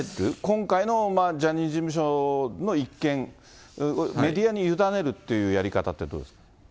今回のジャニーズ事務所の一件、メディアに委ねるというやり方ってどうですか？